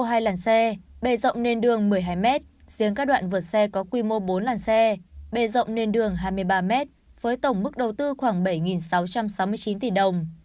sau hai làn xe bề rộng nền đường một mươi hai m riêng các đoạn vượt xe có quy mô bốn làn xe bề rộng nền đường hai mươi ba m với tổng mức đầu tư khoảng bảy sáu trăm sáu mươi chín tỷ đồng